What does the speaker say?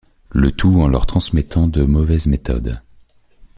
Le tout en leur transmettant de mauvaises méthodes.